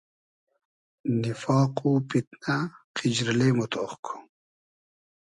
نیفاق و پیتنۂ , قیجیرلې مۉ تۉخ کو